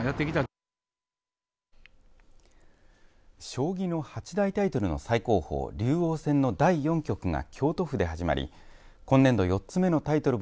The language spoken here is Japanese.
将棋の八大タイトルの最高峰竜王戦の第４局が京都府で始まり今年度４つ目のタイトル